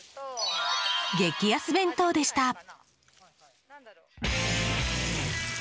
激安弁当でした。